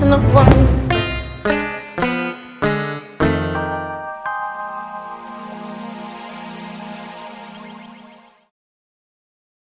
itu batu duri keliatan dia